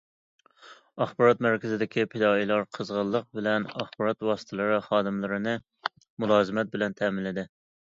ئاخبارات مەركىزىدىكى پىدائىيلار قىزغىنلىق بىلەن ئاخبارات ۋاسىتىلىرى خادىملىرىنى مۇلازىمەت بىلەن تەمىنلىدى.